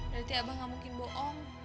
berarti abang gak mungkin bohong